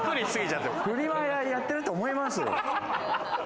フリマやってると思いますよ。